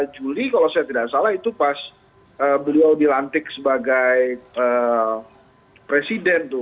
juli kalau saya tidak salah itu pas beliau dilantik sebagai presiden tuh